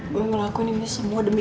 gue ngelakuin ini semua demi